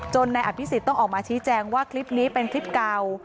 นายอภิษฎต้องออกมาชี้แจงว่าคลิปนี้เป็นคลิปเก่า